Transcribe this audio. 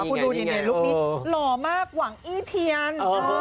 คุณดูนี่ลุคนี้หล่อมากหวังอี้เทียน